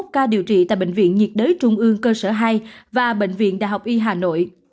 ba trăm năm mươi một ca điều trị tại bệnh viện nhiệt đới trung ương cơ sở hai và bệnh viện đại học y hà nội